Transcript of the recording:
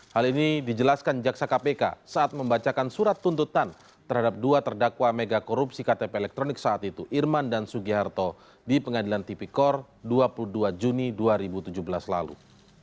hal ini dijelaskan jaksa kpk saat membacakan surat tuntutan terhadap dua terdakwa mega korupsi ktp elektronik saat itu irman dan sugiharto di pengadilan tipikor dua puluh dua juni dua ribu tujuh belas lalu